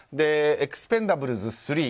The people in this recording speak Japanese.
「エクスペンダブルズ３」